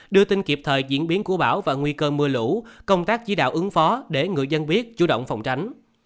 đưa tin kịp thời diễn biến của bão và nguy cơ mưa lũ công tác chỉ đạo ứng phó để người dân biết chủ động phòng tránh